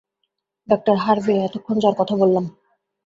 ডাঃ হারভে, এতক্ষণ যার কথা বললাম।